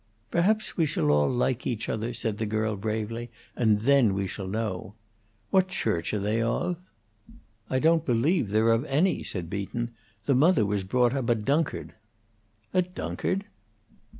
"Perhaps we shall like each other," said the girl, bravely, "and then we shall know. What Church are they of?" "I don't believe they're of any," said Beaton. "The mother was brought up a Dunkard." "A Dunkard?"